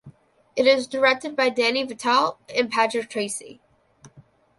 It is directed by Dani Vitale and Patrick Tracey.